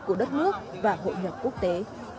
của đất nước và hội nhập quốc tế